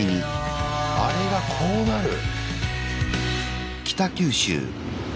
あれがこうなる。